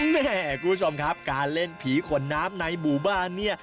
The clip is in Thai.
คุณผู้ชมครับการเล่นผีขนน้ำในหมู่บ้านเนี่ย